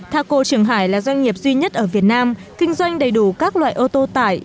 taco trường hải là doanh nghiệp duy nhất ở việt nam kinh doanh đầy đủ các loại ô tô tải